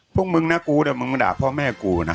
พวกมึงนะกูเดี๋ยวมึงมาด่าพ่อแม่กูนะ